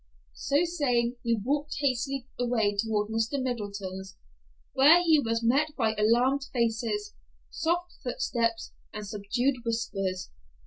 So saying, he walked hastily away toward Mr. Middleton's, where he was met by alarmed faces, soft footsteps, and subdued whispers.